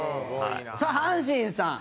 さあ阪神さん。